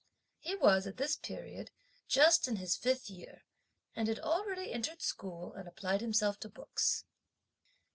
He was, at this period, just in his fifth year, and had already entered school, and applied himself to books.